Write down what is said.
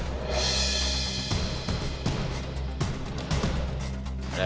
gak usah banyak